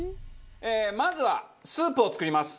まずはスープを作ります。